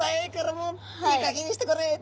もういいかげんにしてくれって。